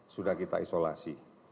sudah kita isolasi